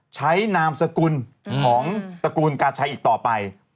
นามสกุลของตระกูลกาชัยอีกต่อไป